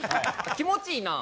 気持ちいいなあ。